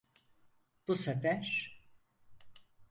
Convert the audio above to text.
Bu sefer…